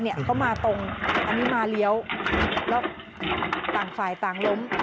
เขามาตรงอันนี้มาเลี้ยวแล้วต่างฝ่ายต่างล้ม